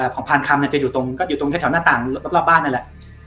ของพานคำจะอยู่ตรงอยู่ตรงแถวหน้าต่างรอบบ้านนั่นแหละ